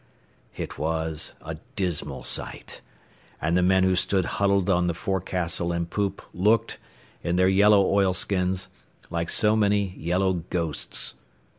It was a dismal sight, and the men who stood huddled on the forecastle and poop looked, in their yellow oilskins, like so many yellow ghosts.